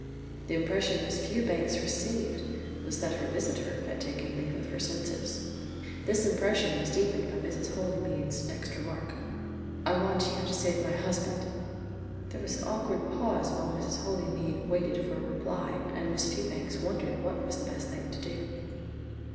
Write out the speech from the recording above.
The impression Miss Fewbanks received was that her visitor had taken leave of her senses. This impression was deepened by Mrs. Holymead's next remark. "I want you to save my husband." There was an awkward pause while Mrs. Holymead waited for a reply and Miss Fewbanks wondered what was the best thing to do.